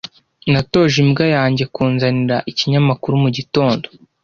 Natoje imbwa yanjye kunzanira ikinyamakuru mugitondo.